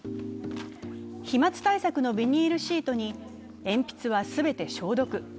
飛まつ対策のビニールシートに鉛筆は全て消毒。